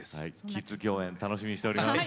キッズ共演楽しみにしております。